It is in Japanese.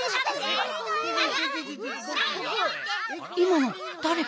いまのだれかしら？